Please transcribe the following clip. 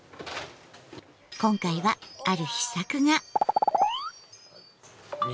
今回はある秘策が。